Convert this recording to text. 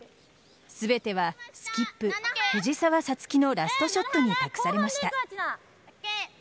全てはスキップ・藤澤五月のラストショットに託されました。